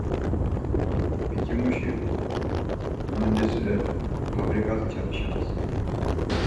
Biç̌imuşi muendisi ren, pavriǩas içalişams.